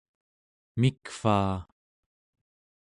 mikvaa